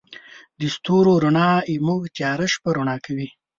د ستورو رڼا زموږ تیاره شپه رڼا کوي.